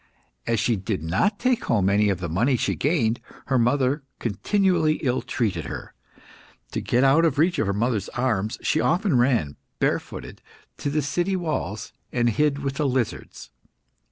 As she did not take home any of the money she gained, her mother continually ill treated her. To get out of reach of her mother's arm, she often ran, bare footed, to the city walls, and hid with the lizards.